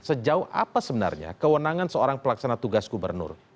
sejauh apa sebenarnya kewenangan seorang pelaksana tugas gubernur